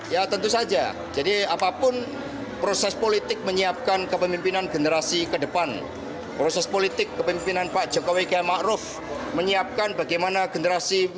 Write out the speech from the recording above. ya tentu saja jadi apapun proses politik menyiapkan kepemimpinan generasi ke depan proses politik kepemimpinan pak jokowi gama'ruf menyiapkan bagaimana generasi militer